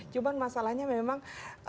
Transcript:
cuma masalahnya memang